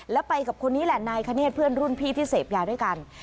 แล้วไปกับคนนี้แหละนายคเนธเพื่อนรุ่นพี่ที่เสพยาด้วยกัน